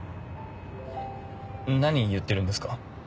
何言ってるんですか？